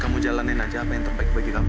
kamu jalanin aja apa yang terbaik bagi kamu